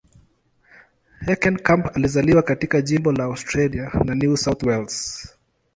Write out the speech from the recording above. Heckenkamp alizaliwa katika jimbo la Australia la New South Wales.